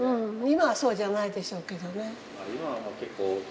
今はそうじゃないでしょうけどね。